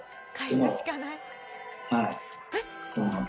「えっ？」